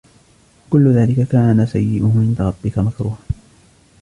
كُلُّ ذَلِكَ كَانَ سَيِّئُهُ عِنْدَ رَبِّكَ مَكْرُوهًا